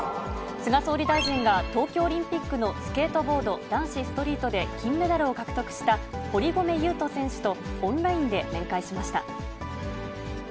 菅総理大臣が、東京オリンピックのスケートボード男子ストリートで金メダルを獲得した堀米雄斗選手と、オンラインで面会しました。